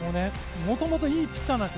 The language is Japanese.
もともといいピッチャーです。